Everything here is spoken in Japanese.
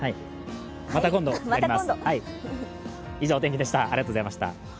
また今度やります。